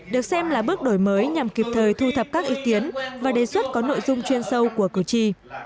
được xem là bước đổi mới nhằm kịp thời thu thập các ý kiến và đề xuất có nội dung chuyên sâu của cử tri